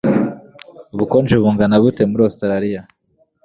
Ubukonje bungana gute muri Ositaraliya